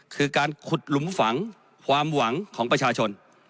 คือการขุดหลุมฝังความหวังของประชาชน